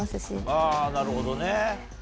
あなるほどね。